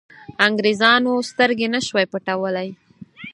انګرېزانو سترګې نه شوای پټولای.